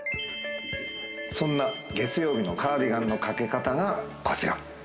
そんな月曜日のカーディガンのかけ方がこちら。